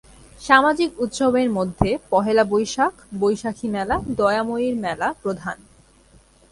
সামাজিক উৎসবের মধ্যে পহেলা বৈশাখ, বৈশাখী মেলা, দয়াময়ীর মেলা প্রধান।